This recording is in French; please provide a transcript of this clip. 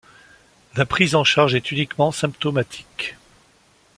La prise en charge est uniquement symptomatique.